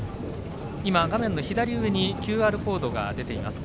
画面の左上にＱＲコードが出ています。